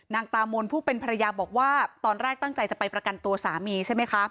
ตามนผู้เป็นภรรยาบอกว่าตอนแรกตั้งใจจะไปประกันตัวสามีใช่ไหมคะ